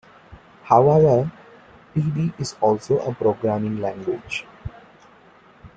However, Pd is also a programming language.